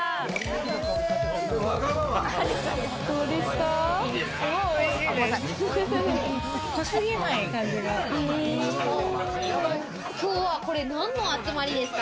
どうですか？